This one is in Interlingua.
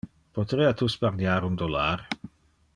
Poterea tu sparniar un dollar?